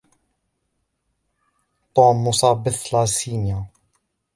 توم مصاب بالثلاسيميا.